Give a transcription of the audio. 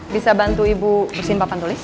bisa bantu ibu mesin papan tulis